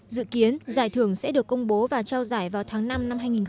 dự kiến giải thưởng sẽ được công bố và trao giải vào tháng năm năm hai nghìn hai mươi